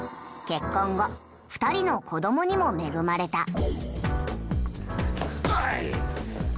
結婚後２人の子どもにも恵まれた。